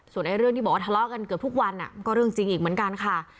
ส่วนเรื่องที่บอกว่าทะเลาะกันเกือบทุกวันก็เรื่องจริงอีกเหมือนกันค่ะ